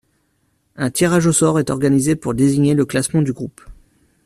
Un tirage au sort est organisé pour désigner le classement du groupe.